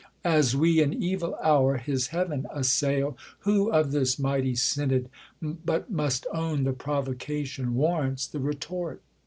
As we in evil hour his heaven, assail, Who of this mighty synod blit must own The provocation waiTants the retort